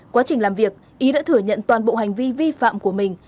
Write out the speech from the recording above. quá trình làm việc ý đã thừa nhận toàn bộ hành vi vi phạm của mình